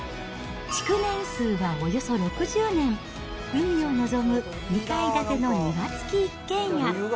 築年数はおよそ６０年、海を望む２階建ての庭付き一軒家。